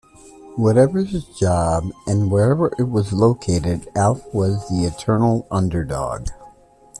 Whatever his job and wherever it was located, Alf was the eternal underdog.